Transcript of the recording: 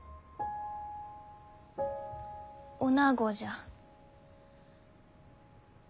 おなごじゃ。